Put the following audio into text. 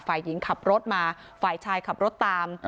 ฝ่ายหญิงขับรถมาฝ่ายชายขับรถตาม